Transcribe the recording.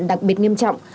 đặc biệt nghiêm trọng